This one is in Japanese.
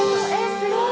すごい！